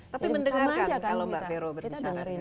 tapi mendengarkan kalau mbak vero berbicara